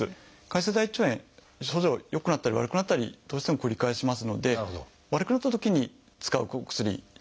潰瘍性大腸炎症状が良くなったり悪くなったりどうしても繰り返しますので悪くなったときに使うお薬になります。